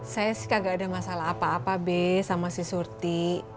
saya sih kagak ada masalah apa apa b sama si surti